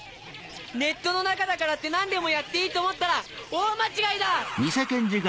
ネットの中だからって何でもやっていいと思ったら大間違いだ！